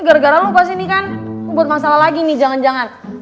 gara gara lo pas ini kan gue buat masalah lagi nih jangan jangan